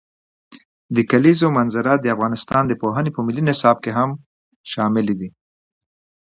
د کلیزو منظره د افغانستان د پوهنې په ملي نصاب کې هم شامل دي.